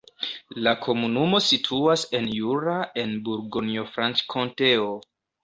La komunumo situas en Jura, en Burgonjo-Franĉkonteo.